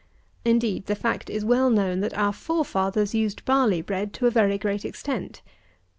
Indeed the fact is well known, that our forefathers used barley bread to a very great extent.